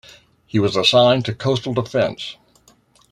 He was assigned to coastal defense.